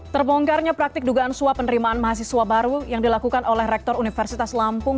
terbongkarnya praktik dugaan suap penerimaan mahasiswa baru yang dilakukan oleh rektor universitas lampung